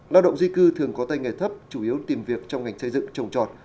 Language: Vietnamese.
lao động di cư thường có tay nghề thấp chủ yếu tìm việc trong ngành xây dựng trồng trọt